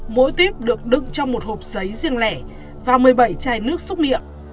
mỗi tuyếp được đựng trong một hộp sấy riêng lẻ và một mươi bảy chai nước xúc miệng